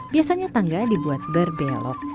biasanya tangga dibuat berbelok